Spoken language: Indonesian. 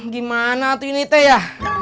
gimana tuh ini teh ya